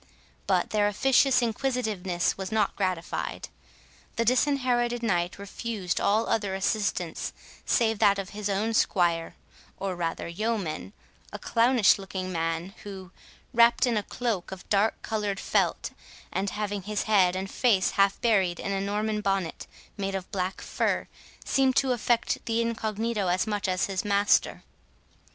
But their officious inquisitiveness was not gratified. The Disinherited Knight refused all other assistance save that of his own squire, or rather yeoman—a clownish looking man, who, wrapt in a cloak of dark coloured felt, and having his head and face half buried in a Norman bonnet made of black fur, seemed to affect the incognito as much as his master.